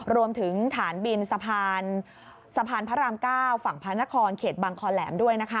รวมถึงฐานบินสะพานพระราม๙ฝั่งพระนครเขตบังคอแหลมด้วย